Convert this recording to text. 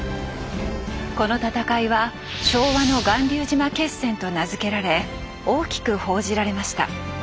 この戦いは「昭和の巌流島決戦」と名付けられ大きく報じられました。